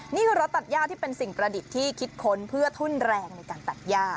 นี่คือรถตัดย่าที่เป็นสิ่งประดิษฐ์ที่คิดค้นเพื่อทุ่นแรงในการตัดย่า